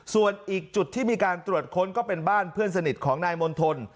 ส่วนอีกจุดที่มีการตรวจค้นก็เป็นบ้านเพื่อนสนิทของนายมณฑล